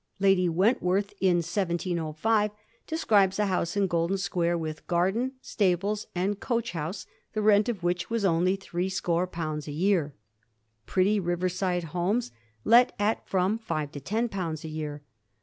Lady Wentworth, in 1705, describes a house in Golden Square, with garden, stables, and coach house, the rent of which was only threescore pounds a year. Pretty riverside houses let at firom five to ten pounds a year.